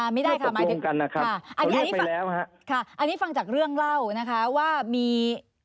ไม่ได้ค่ะหมายถึงอันนี้ฟังจากเรื่องเล่านะคะว่ามี